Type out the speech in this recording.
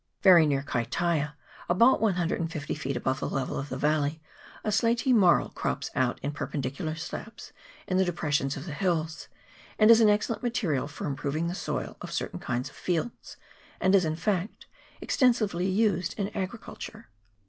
Very near Kaitaia, about 150 feet above the level of the valley, a slaty marl crops out in perpendicular slabs in the depressions of the hills, and is an excellent material for improving the soil of certain kinds of fields, and is, in fact, extensively used in agriculture.